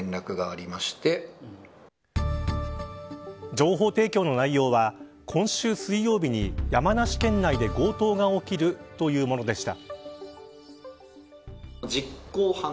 情報提供の内容は今週水曜日に山梨県内で強盗が起きるというものでした。